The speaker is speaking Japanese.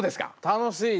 楽しい！